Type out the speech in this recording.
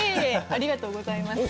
ありがとうございます。